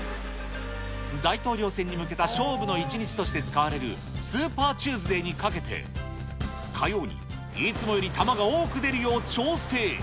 大統領選に向けた勝負の一日として使われるスーパーチューズデーにかけて、火曜にいつもより玉が多く出るよう調整。